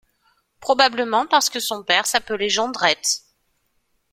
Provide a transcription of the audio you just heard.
Probablement parce que son père s’appelait Jondrette.